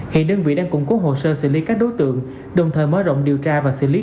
hiện đơn vị đang củng cố hồ sơ xử lý các đối tượng đồng thời mở rộng điều tra và xử lý